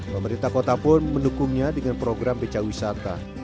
pemerintah kota pun mendukungnya dengan program beca wisata